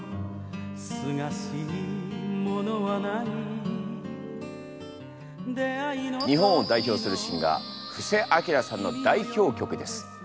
「清しいものはない」日本を代表するシンガー布施明さんの代表曲です。